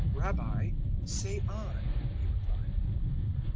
"Rabbi, say on," he replied.